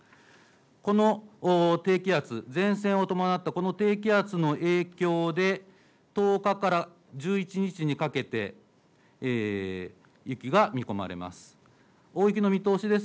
この低気圧前線を伴ったこの低気圧の影響で１０日から１１日にかけて雪が見込まれます。